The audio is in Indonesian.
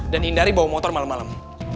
dan hindari bawa motor malem malem